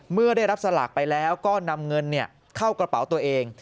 เมื่อได้รับสลากไปแล้วก็นำเงินเข้ากระเป๋าตัวเอง